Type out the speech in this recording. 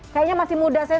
kayaknya masih muda saya